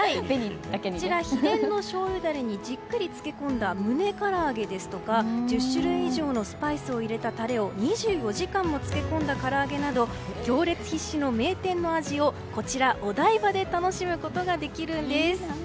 秘伝のしょうゆダレにじっくり漬け込んだムネからあげですとか１０種類以上のスパイスを入れたタレを２４時間も漬け込んだからあげなど、行列必至の名店の味をお台場で楽しむことができるんです。